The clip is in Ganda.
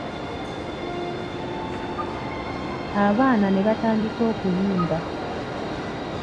Abaana ne batandika okuyimba.